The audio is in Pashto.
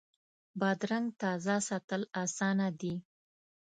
بادرنګ تازه ساتل اسانه دي.